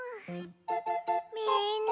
みんな。